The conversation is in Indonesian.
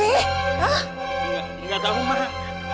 enggak tahu mak